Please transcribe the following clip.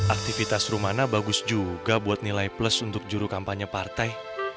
aktivitas rumana bagus juga buat nilai plus untuk juru kampanye partai